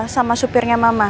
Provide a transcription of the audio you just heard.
sama supirnya mama